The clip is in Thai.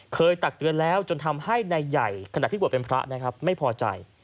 ตักเตือนแล้วจนทำให้นายใหญ่ขณะที่บวชเป็นพระนะครับไม่พอใจ